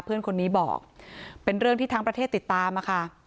เพื่อนคนนี้บอกเป็นเรื่องที่ทั้งประเทศติดตามค่ะ